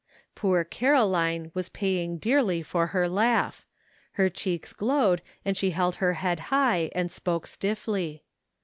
Poor Caroline was paying dearly for her laugh ; her cheeks glowed and she held her head high, and spoke stifily.